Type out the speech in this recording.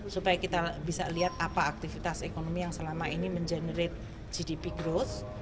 supaya kita bisa lihat apa aktivitas ekonomi yang selama ini mengenerate gdp growth